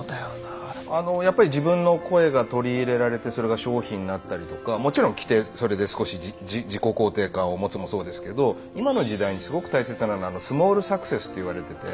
あのやっぱり自分の声が取り入れられてそれが商品になったりとかもちろん着てそれで少し自己肯定感を持つもそうですけど今の時代にすごく大切なのはスモールサクセスと言われてて。